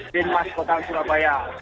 timnas kota surabaya